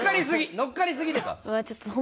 乗っかりすぎです。